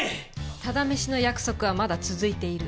タダ飯の約束はまだ続いている。